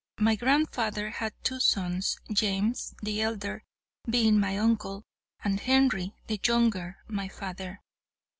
"'My grandfather had two sons; James, the elder, being my uncle, and Henry the younger, my father.